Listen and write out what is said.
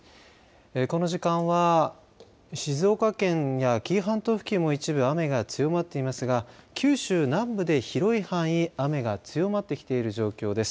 この時間は静岡県や紀伊半島付近も一部雨が強まっていますが九州南部で広い範囲雨が強まってきている状況です。